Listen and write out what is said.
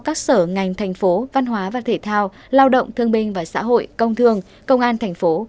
các sở ngành thành phố văn hóa và thể thao lao động thương minh và xã hội công thương công an thành phố